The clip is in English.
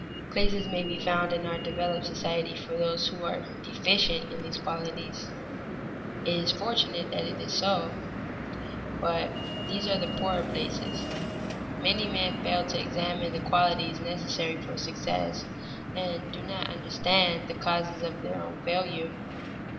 Places may be found in our developed society for those who are deficient in these qualities (it is fortunate that it is so), but these are the poorer places. Many men fail to examine the qualities necessary for success, and do not understand the causes of their own failure.